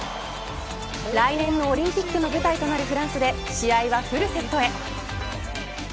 来年、オリンピックの舞台となるフランスで試合はフルセットへ。